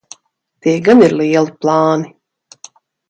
Tie gan ir lieli plāni.